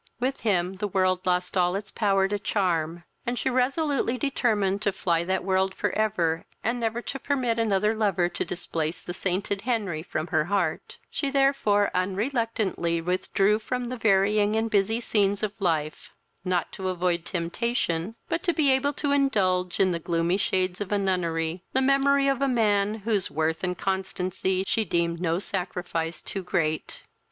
With him the world lost all its power to charm, and she resolutely determined to fly that world for ever, and never to permit another lover to displace the sainted Henry from her heart; she therefore unreluctantly withdrew from the varying and busy scenes of life, not to avoid temptation, but to be able to indulge, in the gloomy shades of a nunnery, the memory of a man, to whose worth and constancy she deemed no sacrifice too great.